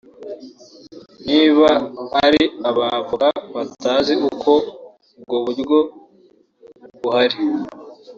niba ari aba ‘avocats’ batazi ko ubwo buryo buhari